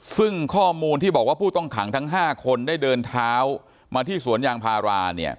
ซึ่งข้อมูลที่บอกว่าผู้ต้องขังทั้ง๕คนได้เดินเท้ามาที่สวนยางพารา